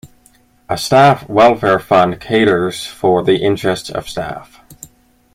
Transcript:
A Staff Welfare Fund caters for the interests of staff.